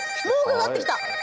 もうかかってきた！